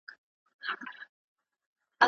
افغان استادان د پوره قانوني خوندیتوب حق نه لري.